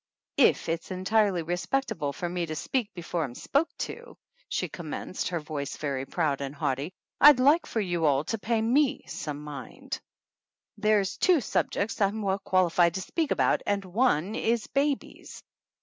"If it's entirely respectable for me to speak before I'm spoke to," she commenced, her voice very proud and haughty, "I'd like for you all to pay me some mind. There's two subjec's I'm well qualified to speak about and one is babies.